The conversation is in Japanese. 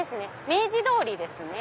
明治通りですね。